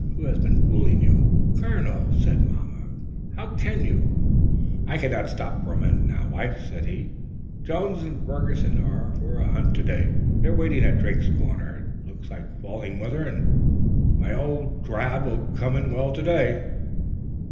Who has been fooling you?" "Colonel," said mamma, coloring highly, "how can you " "I can not stop a minute, now, wife," said he, "Jones and Ferguson are for a hunt to day! They are waiting at Drake's corner. It looks like falling weather and my old drab will come in well to day."